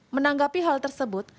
menanggapi hal tersebut